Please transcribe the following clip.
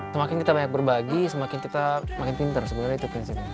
semakin kita banyak berbagi semakin kita makin pinter sebenarnya itu prinsipnya